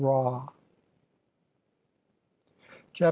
p.